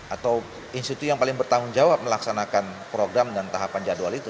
atau institusi yang paling bertanggung jawab melaksanakan program dan tahapan jadwal itu